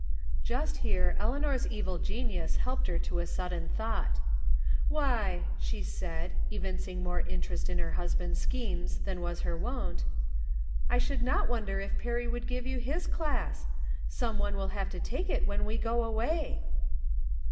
Just here Eleanor's evil genius helped her to a sudden thought. "Why," she said, evincing more interest in her husband's schemes than was her wont, " I should I'rom Different Standpoints. 299 not wonder if Perry "would give you Ms class. Some one will have to take it when we go away."